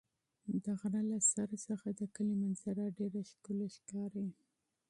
د غره له سر څخه د کلي منظره ډېره ښکلې ښکاري.